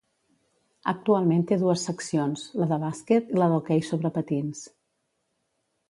Actualment té dues seccions, la de bàsquet i la d'hoquei sobre patins.